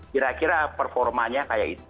kira kira performanya kayak itu